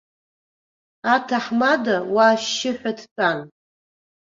Аҭаҳмада уа ашьшьыҳәа дтәан.